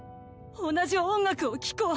同じ音楽を聴こう。